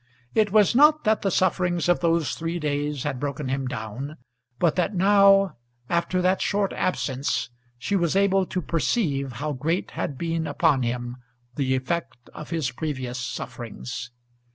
It was not that the sufferings of those three days had broken him down, but that now, after that short absence, she was able to perceive how great had been upon him the effect of his previous sufferings.